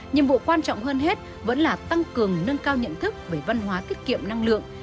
nhiệm vụ quan trọng hơn hết vẫn là tăng cường nâng cao nhận thức về văn hóa tiết kiệm năng lượng